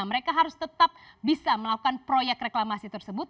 mereka harus tetap bisa melakukan proyek reklamasi tersebut